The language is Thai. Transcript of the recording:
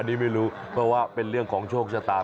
อันนี้ไม่รู้เพราะว่าเป็นเรื่องของโชคชะตา